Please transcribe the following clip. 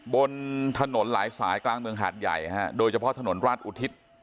บนถนนหลายสายกลางเมืองหาดใหญ่ฮะโดยเฉพาะถนนราชอุทิศ